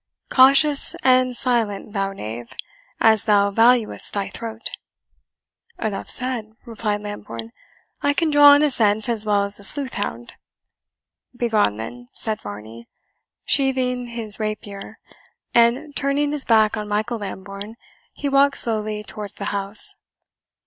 Cautious and silent, thou knave, as thou valuest thy throat." "Enough said," replied Lambourne; "I can draw on a scent as well as a sleuth hound." "Begone, then," said Varney, sheathing his rapier; and, turning his back on Michael Lambourne, he walked slowly towards the house.